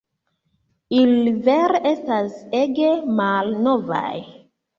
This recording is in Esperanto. Ili vere estas ege malnovaj